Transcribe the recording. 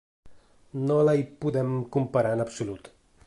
No la hi podem comparar en absolut.